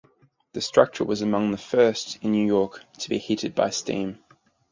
The structure was among the first in New York to be heated by steam.